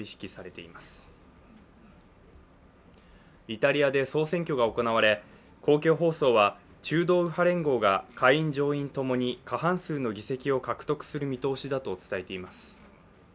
イタリアで総選挙が行われ公共放送は中道右派連合が下院・上院ともに過半数の議席を獲得する見通しだと伝えています。